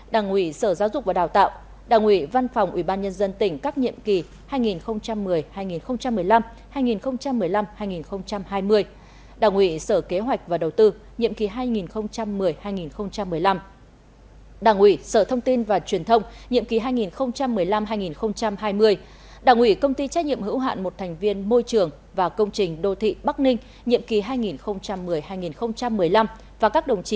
đảng ủy sở giáo dục và đào tạo đảng ủy văn phòng ủy ban nhân dân tỉnh các nhiệm kỳ hai nghìn một mươi hai nghìn một mươi năm hai nghìn một mươi năm hai nghìn hai mươi đảng ủy sở kế hoạch và đầu tư nhiệm kỳ hai nghìn một mươi hai nghìn một mươi năm đảng ủy sở thông tin và truyền thông nhiệm kỳ hai nghìn một mươi năm hai nghìn hai mươi đảng ủy công ty trách nhiệm hữu hạn một thành viên môi trường và công trình đô thị bắc ninh nhiệm kỳ hai nghìn một mươi hai nghìn một mươi năm và các đồng chí